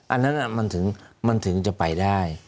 อันนั้นมันถึงจะไปได้